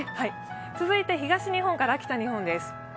続いて東日本から北日本です。